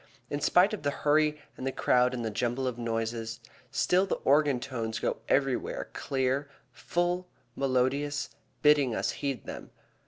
In spite of the hurry and the crowd and the jumble of noises, still the organ tones go everywhere clear, full, melodious, bidding us heed them.